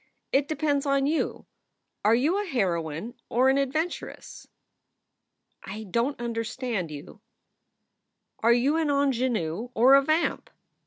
It depends on you. Are you a heroine or an adventuress?" "I don t understand you." "Are you an onjanoo or a vamp?"